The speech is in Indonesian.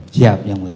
siap yang mulia